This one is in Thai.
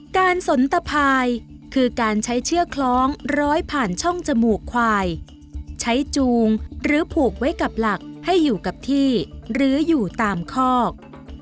สนตะพายคือการใช้เชือกคล้องร้อยผ่านช่องจมูกควายใช้จูงหรือผูกไว้กับหลักให้อยู่กับที่หรืออยู่ตามคอก